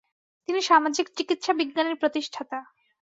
তিনি সামাজিক চিকিৎসাবিজ্ঞানের প্রতিষ্ঠাতা।